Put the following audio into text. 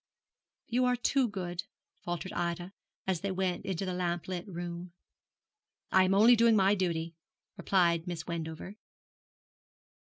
'You are too good,' faltered Ida, as they went into the lamplit room. 'I am only doing my duty,' replied Miss Wendover.